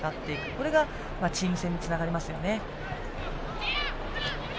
これがチーム戦につながりますよね。